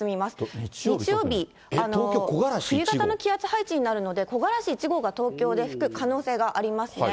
冬型の気圧配置になるので、木枯らし１号が東京で吹く可能性がありますね。